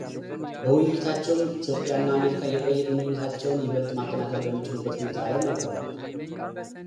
በውይይታቸውም ኢትዮጵያ እና አሜሪካ የቆየ ግንኙነታቸውን ይበልጥ ማጠናከር በሚችሉበት ሁኔታ ላይ መክረዋል፡፡